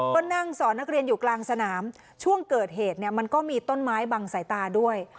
ก็นั่งสอนนักเรียนอยู่กลางสนามช่วงเกิดเหตุเนี่ยมันก็มีต้นไม้บังสายตาด้วย